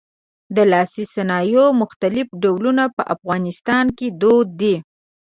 د لاسي صنایعو مختلف ډولونه په افغانستان کې دود دي.